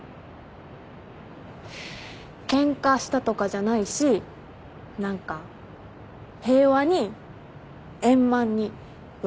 ケンカしたとかじゃないし何か平和に円満に別れたから。